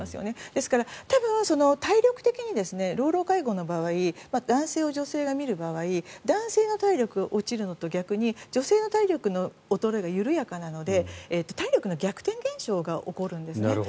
ですから多分、体力的に老老介護の場合男性を女性が見る場合男性が体力落ちるのと逆に女性の体力の衰えが緩やかなので体力の逆転現象が起こるんです。